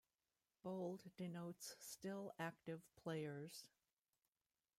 Bold denotes still active players.